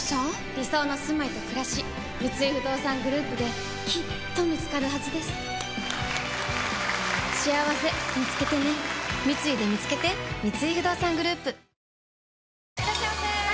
理想のすまいとくらし三井不動産グループできっと見つかるはずですしあわせみつけてね三井でみつけていらっしゃいませ！